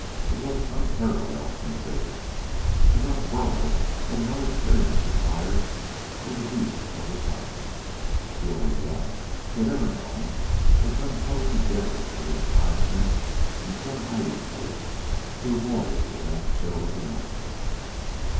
It was an unparalleled sensation, because Burl had no experience of fire or the heat of the sun. The only warmth he had ever known was when huddling together with his tribesmen in some hiding place to avoid the damp chill of the night.